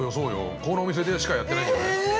このお店でしかやってないんじゃない？